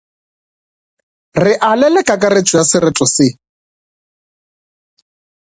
Re alele kakaretšo ya sereto se.